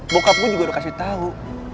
bokap gue juga udah kasih tau